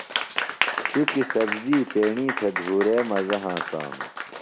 شُکیۡ سبزی تیݨی تھےۡ دُھورے مزہ ہنسانوۡ۔